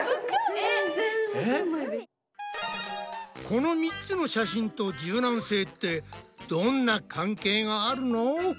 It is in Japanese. この３つの写真と柔軟性ってどんな関係があるの？